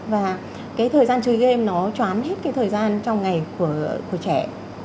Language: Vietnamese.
và cái thời gian chơi game nó choán hết cái thời gian trong ngày của trẻ